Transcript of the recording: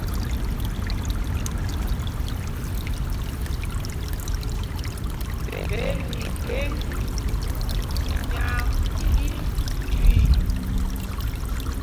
Phe mikheŋ nya lǐ tüü.